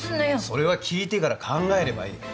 それは聞いてから考えればいい。